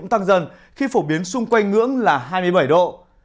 tăng dần khi phổ biến xung quanh ngưỡng là hai mươi bảy độ